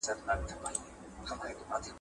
افغانانو تل دفاع وکړه.